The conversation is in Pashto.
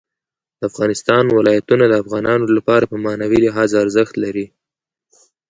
د افغانستان ولايتونه د افغانانو لپاره په معنوي لحاظ ارزښت لري.